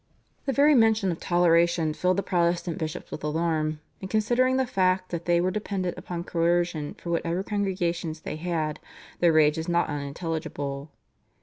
The very mention of toleration filled the Protestant bishops with alarm, and, considering the fact that they were dependent upon coercion for whatever congregations they had, their rage is not unintelligible.